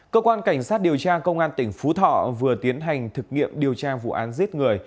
cơ quan cảnh sát điều tra công an tỉnh phú thọ vừa tiến hành thực nghiệm điều tra vụ án giết người